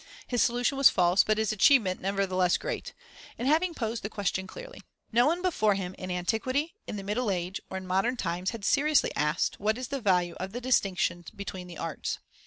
His solution was false, but his achievement nevertheless great, in having posed the question clearly. No one before him, in antiquity, in the Middle Age, or in modern times, had seriously asked: What is the value of the distinctions between the arts?